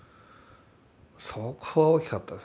そこは大きかったですね。